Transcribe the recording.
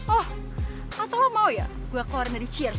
oh atau lo mau ya gue keluar dari cheers